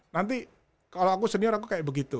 nanti kalau aku senior aku kayak begitu